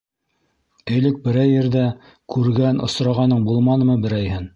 Элек берәй ерҙә күргән-осрағаның булманымы берәйһен?